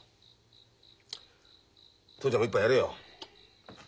父ちゃんも一杯やれよ。